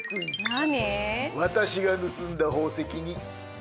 何？